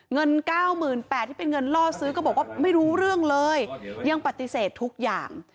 เงิน๙๘๐๐ที่เป็นเงินล่อซื้อก็บอกว่าไม่รู้เรื่องเลยยังปฏิเสธทุกอย่าง